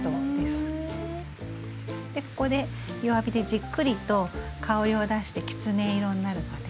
ここで弱火でじっくりと香りを出してきつね色になるまで。